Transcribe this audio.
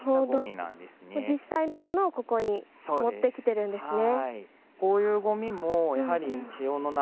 実際のものをここに持ってきてるんですね。